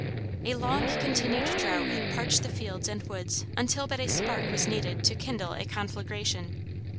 A long continued drought had parched the fields and woods until but a spark was needed to kindle a conflagration.